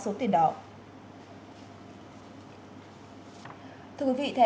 thưa quý vị thẻ visa và thẻ mastercard là hai dòng sản phẩm thẻ tiến dụng được khách hàng bắt đầu sử dụng rộng rãi tại việt nam